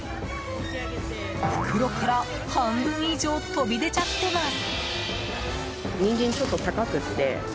袋から半分以上飛び出ちゃってます。